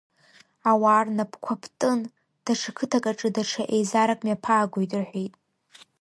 Ауаа рнапқәа ԥтын, даҽа қыҭак аҿы даҽа еизарак мҩаԥаагоит рҳәеит.